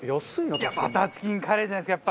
バターチキンカレーじゃないですか？